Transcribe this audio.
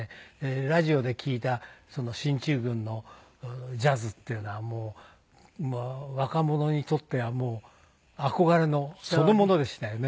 ラジオで聴いた進駐軍のジャズっていうのは若者にとってはもう憧れのそのものでしたよね。